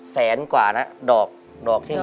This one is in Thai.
แสนกว่านะดอกที่๖